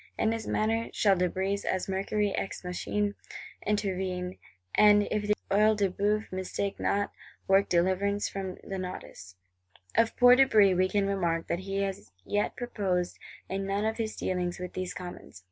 In this manner shall De Brézé, as Mercury ex machinâ, intervene; and, if the Œil de Bœuf mistake not, work deliverance from the nodus. Of poor De Brézé we can remark that he has yet prospered in none of his dealings with these Commons.